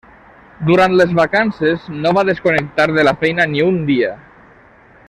Durant les vacances no va desconnectar de la feina ni un dia.